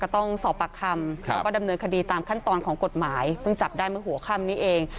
ต้องสอบปากคำแล้วก็ดำเนินคดีตามขั้นตอนของกฎหมายเพิ่งจับได้เมื่อหัวค่ำนี้เอง